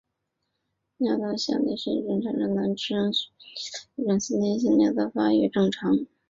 尿道下裂是一种发生在男性生殖器的一种先天性尿道发育异常。